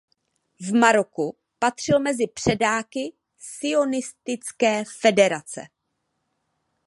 V Maroku patřil mezi předáky sionistické federace.